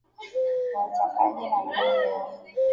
Watakaje na mimi leo hii?